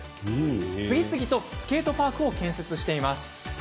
次々とスケートパークを建設しています。